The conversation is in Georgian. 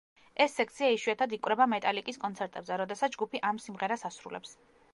ეს სექცია იშვიათად იკვრება მეტალიკის კონცერტებზე, როდესაც ჯგუფი ამ სიმღერას ასრულებს.